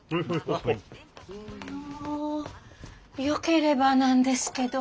あのよければなんですけど。